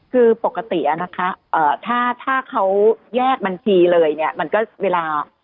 คือปกตินะคะถ้าเขาแยกบัญชีเลยเนี่ยมันก็เวลา